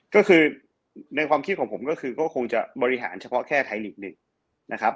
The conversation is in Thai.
ก็คือในความคิดของผมก็คือก็คงจะบริหารเฉพาะแค่ไทยลีกหนึ่งนะครับ